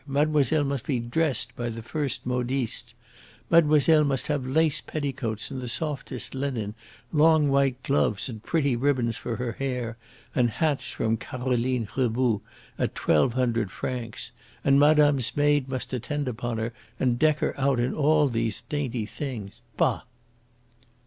Mademoiselle must be dressed by the first modistes. Mademoiselle must have lace petticoats and the softest linen, long white gloves, and pretty ribbons for her hair, and hats from Caroline Reboux at twelve hundred francs. And madame's maid must attend upon her and deck her out in all these dainty things. Bah!"